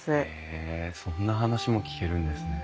へえそんな話も聞けるんですね。